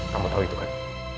kamu tau itu kan